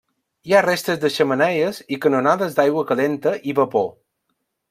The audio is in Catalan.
Hi ha restes de xemeneies i canonades d'aigua calenta i vapor.